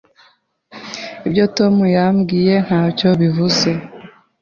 Ibyo Tom yambwiye ntacyo bivuze.